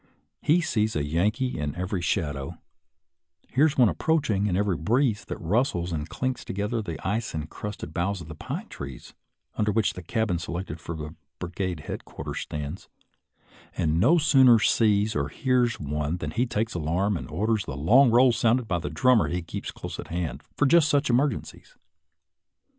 He sees a Yankee in every shadow, hears one approaching in every breeze that rustles and clinks together the ice incrusted boughs of the pine trees under which the cabin selected for brigade headquarters stands, and no sooner sees or hears one than he takes alarm and orders the long roll sounded by the drummer he keeps close at hand for just such emergencies.